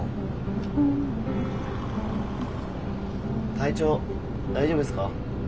体調大丈夫ですか？